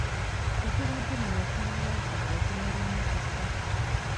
Tetubadde na masannyalaze okumala ennaku ssatu.